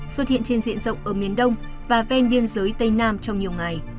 xuất hiện trên diện rộng ở miền đông và ven biên giới tây nam trong nhiều ngày